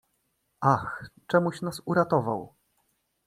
"Ach, czemuś nas uratował!"